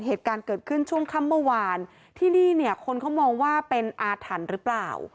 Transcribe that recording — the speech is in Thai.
เหตุการณ์เกิดขึ้นช่วงค่ำเมื่อวานที่นี่เนี่ยคนเขามองว่าเป็นอาถรรพ์หรือเปล่า